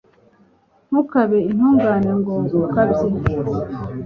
ntukabe intungane ngo ukabye.